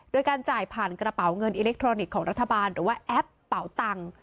โดยการจ่ายผ่านกระเป๋าเงินอิเล็กทรอนิกส์ของรัฐบาลหรือว่าแอปเป๋าตังค์